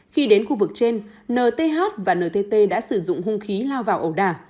khi đến khu vực trên nth và ntt đã sử dụng hung khí lao vào ẩu đà